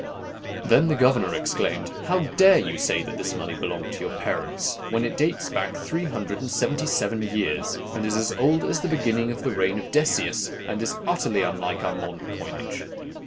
Then the governor exclaimed, 'How dare you say that this money belonged to your parents when it dates back three hundred and seventy seven years, and is as old as the beginning of the reign of Decius, and it is utterly unlike our modern coinage?